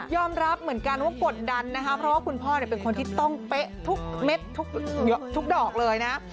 รับเหมือนกันว่ากดดันนะคะเพราะว่าคุณพ่อเป็นคนที่ต้องเป๊ะทุกเม็ดทุกดอกเลยนะ